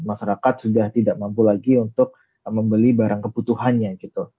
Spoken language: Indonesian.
masyarakat sudah tidak mampu lagi untuk membeli barang kebutuhannya gitu